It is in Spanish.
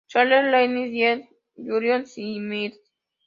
Charles, Rennie, Sean, Julius y Mrs.